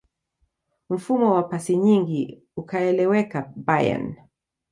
mfumo wa pasi nyingi ukaeleweka bayern